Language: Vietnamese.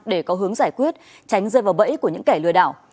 để có hướng giải quyết tránh rơi vào bẫy của những kẻ lừa đảo